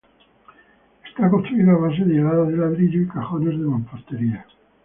Está construido a base de hiladas de ladrillo y cajones de mampostería.